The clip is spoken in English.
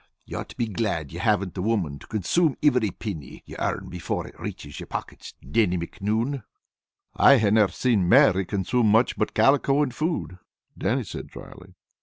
You ought to be glad you haven't a woman to consume ivery penny you earn before it reaches your pockets, Dannie Micnoun." "I hae never seen Mary consume much but calico and food," Dannie said dryly.